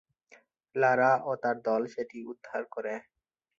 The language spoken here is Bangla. লারা ও তার দল সেটি উদ্ধার করে।